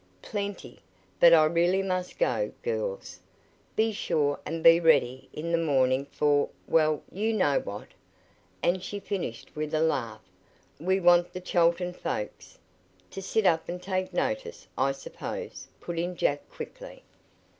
"Plenty. But I really must go, girls. Be sure and be ready in the morning for well, you know what," and she finished with a laugh. "We want the Chelton folks " "To sit up and take notice, I suppose," put in Jack quickly.